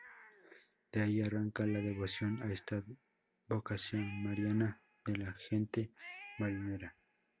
De ahí arranca la devoción a esta advocación mariana de la gente marinera.